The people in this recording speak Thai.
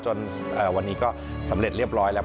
จนวันนี้ก็สำเร็จเรียบร้อยแล้ว